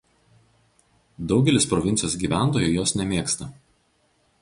Daugelis provincijos gyventojų jos nemėgsta.